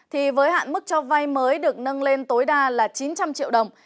thì với hạn mức cho vay mới được nâng lên tối đa là chín trăm linh triệu đồng